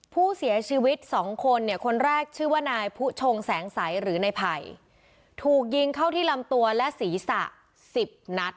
ผู้เสียชีวิตสองคนเนี่ยคนแรกชื่อว่านายผู้ชงแสงสัยหรือในไผ่ถูกยิงเข้าที่ลำตัวและศีรษะสิบนัด